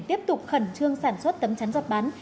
tiếp tục khẩn trương sản xuất tấm chắn giọt bán